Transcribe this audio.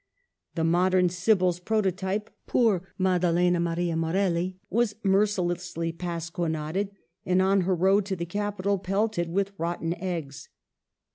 The modern Sibyl's prototype, poor Maddalena Maria Mo relli, was mercilessly pasquinaded, and on her road to the Capitol pelted with rotten eggs.